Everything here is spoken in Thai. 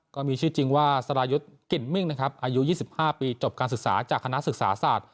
ก็มีชื่อจริงว่าสรายุทธ์กลิ่นมิ่งนะครับอายุ๒๕ปีจบการศึกษาจากคณะศึกษาศาสตร์